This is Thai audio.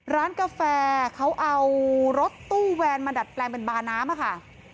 ร้านกาแฟเขาเอารถตู้แวนมาดัดแปลงเป็นบาน้ำค่ะ